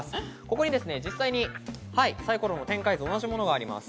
ここに実際にサイコロの展開図と同じものがあります。